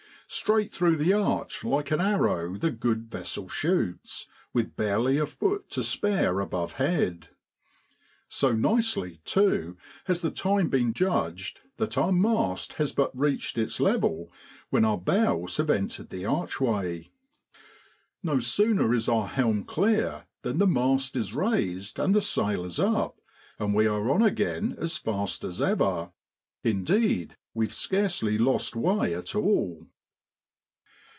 Straight through the arch like an arrow the good vessel shoots, with barely a foot to spare above head. So nicely, too, has the time been judged that our mast has but reached its level when our bows have entered the archway. No sooner is our helm clear than the mast is raised and the sail is up, and we are on again as fast as ever; indeed, we've scarcely lost way at all.